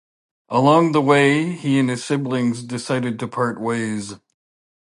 Along the way, he and his siblings decided to part ways.